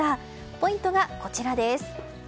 ポイントが、こちらです。